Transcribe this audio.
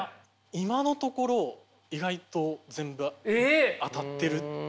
今のところ意外と全部当たっているという。